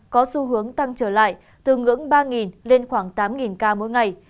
có xu hướng tăng trở lại từ ngưỡng ba lên khoảng tám ca mỗi ngày